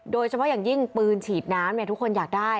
โดยเฉพาะอย่างยิ่งปืนฉีดน้ำทุกคนอยากได้